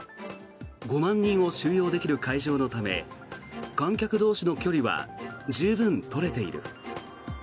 ５万人を収容できる会場のため観客同士の距離は十分取れている。